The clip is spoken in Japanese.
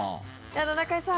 中居さん